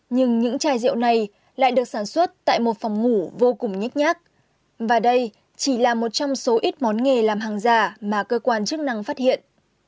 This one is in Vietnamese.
nhưng những chai rượu này lại được sản xuất tại một phòng ngủ vô cùng nhách nhác và đây chỉ là một trong số ít món nghề làm hàng giả mà cơ quan chức năng phát hiện